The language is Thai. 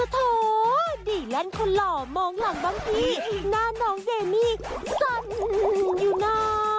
โถดีแลนด์คนหล่อมองหลังบางทีหน้าน้องเดมี่สั่นอยู่นะ